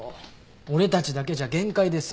俺たちだけじゃ限界です。